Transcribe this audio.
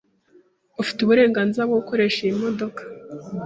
Ufite uburenganzira bwo gukoresha iyi modoka.